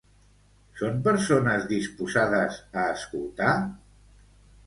Són persones disposades a escoltar?